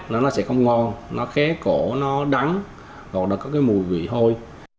nó sẽ không ngon nó khé cổ nó đắng hoặc là có mùi vị hôi